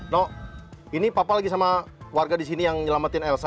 no ini papa lagi sama warga disini yang nyelamatin elsa